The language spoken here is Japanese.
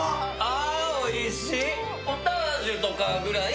あ、おいしい。